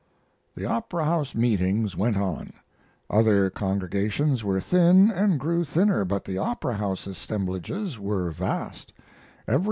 The Opera House meetings went on; other congregations were thin, and grew thinner, but the Opera House assemblages were vast.